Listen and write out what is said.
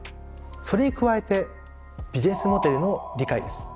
それに加えてビジネスモデルの理解です。